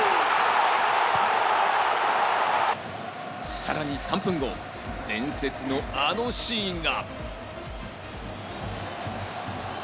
さらに３分後、伝説のあのシーンが。